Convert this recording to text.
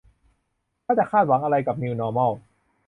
ถ้าจะคาดหวังอะไรกับ นิวนอร์มอล